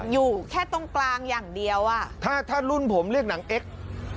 อยู่แค่ตรงกลางอย่างเดียวอ่ะถ้าถ้ารุ่นผมเรียกหนังเอ็กซ์